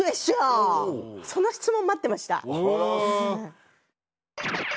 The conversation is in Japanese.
その質問待ってました。